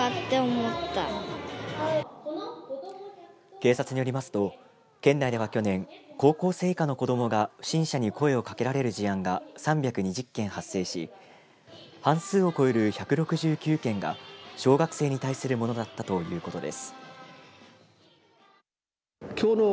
警察によりますと県内では去年高校生以下の子どもが不審者に声を掛けられる事案が３２０件発生し半数を超える１６９件が小学生に対するものだったということです。